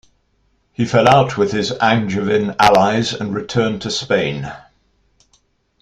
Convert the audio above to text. He fell out with his Angevin allies and returned to Spain.